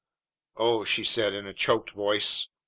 "Oh!" she said in a choked voice.